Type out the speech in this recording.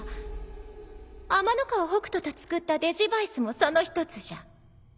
天ノ河北斗と作ったデジヴァイスもその一つじゃ。